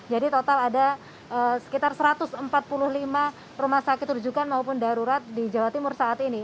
jadi total ada sekitar satu ratus empat puluh lima rumah sakit rujukan maupun darurat di jawa timur saat ini